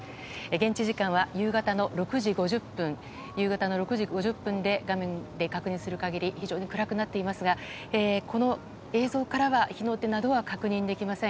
現地時間は夕方の６時５０分で画面で確認する限り非常に暗くなっていますがこの映像からは火の手などは確認できません。